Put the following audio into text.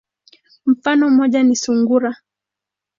Mfano moja ni sungura.